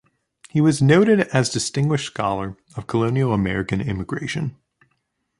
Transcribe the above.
He was noted as distinguished scholar of colonial American immigration.